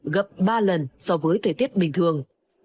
gấp ba lần so với thời tiết bình thường